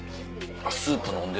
スープ飲んで。